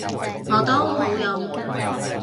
我都冇用